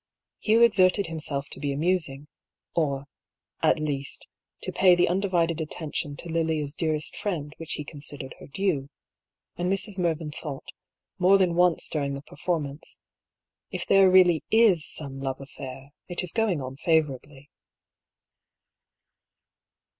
Hugh exerted himself to be amusing, or, at least, to pay the undivided attention to Lilia's dearest friend which he considered her due ; and Mrs. Mervyn thought, more than once during the performance, " If there really is some love affair, it is going on favorably."